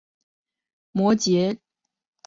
摩羯的首府是波罗克瓦尼。